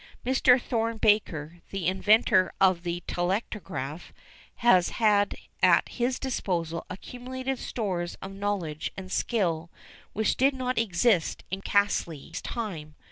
Mr Thorne Baker, the inventor of the telectrograph, has had at his disposal accumulated stores of knowledge and skill which did not exist in Caselli's time.